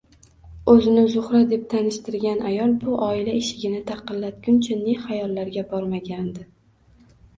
O`zini Zuhra deb tanishtirgan ayol bu oila eshigini taqillatguncha ne xayollarga bormagandi